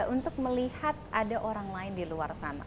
untuk melihat ada orang lain di luar sana